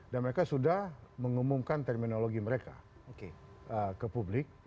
dan mereka sudah mengumumkan terminologi mereka ke publik